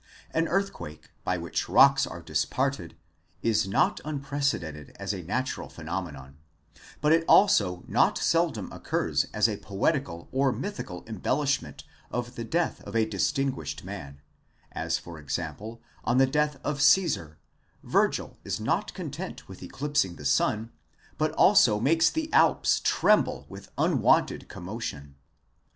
An earthquake by which rocks are disparted, is not unprecedented as a natural phenomenon: but it also not seldom occurs as a poetical or mythical embellishment of the death of a distinguished man ; as, for example, on the death of Cesar, Virgil is not content with eclipsing the sun, but also makes the Alps tremble with unwonted commotion.